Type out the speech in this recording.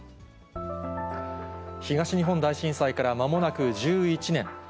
東日本大震災から、まもなく１１年。